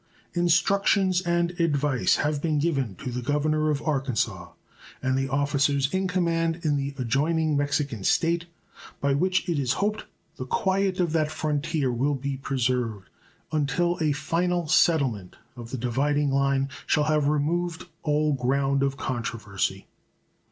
Instructions and advice have been given to the governor of Arkansas and the officers in command in the adjoining Mexican State by which it is hoped the quiet of that frontier will be preserved until a final settlement of the dividing line shall have removed all ground of controversy.